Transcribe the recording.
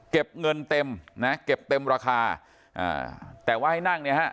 เก็บเงินเต็มนะเก็บเต็มราคาอ่าแต่ว่าให้นั่งเนี่ยฮะ